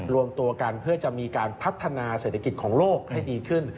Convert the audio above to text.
รวมตัวกันเพื่อจะมีการพัฒนาเศรษฐกิจของโลกให้ดีขึ้น